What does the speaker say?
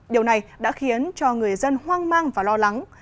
điều này đã khiến cho người dân hoang mang và lo lắng